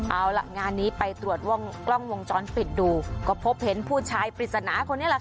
เอาล่ะงานนี้ไปตรวจกล้องวงจรปิดดูก็พบเห็นผู้ชายปริศนาคนนี้แหละค่ะ